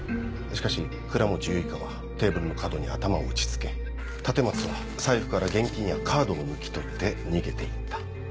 しかし倉持結花はテーブルの角に頭を打ち付け立松は財布から現金やカードを抜き取って逃げて行った。